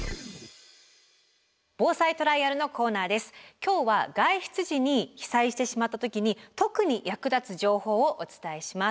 今日は外出時に被災してしまった時に特に役立つ情報をお伝えします。